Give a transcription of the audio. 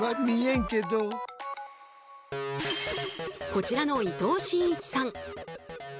僕がこちらの伊藤慎一さん